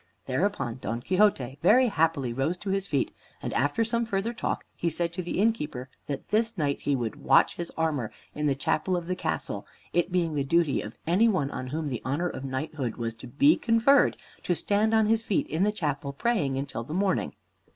Thereupon Don Quixote very happily rose to his feet, and after some further talk he said to the innkeeper that this night he would "watch his armor" in the chapel of the castle, it being the duty of any one on whom the honor of knighthood was to be conferred, to stand on his feet in the chapel, praying, until the morning.